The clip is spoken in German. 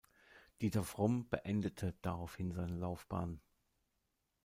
Dieter Fromm beendete daraufhin seine Laufbahn.